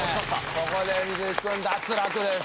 ここで瑞稀君脱落です。